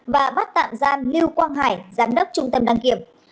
và bắt tạm giam lưu quang hải giám đốc trung tâm đăng kiểm